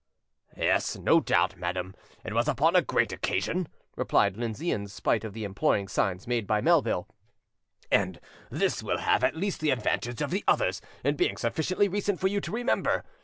] "Yes, no doubt, madam, it was upon a great occasion," replied Lindsay, in spite of the imploring signs made by Melville, "and this will have at least the advantage of the others, in being sufficiently recent for you to remember.